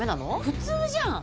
普通じゃん！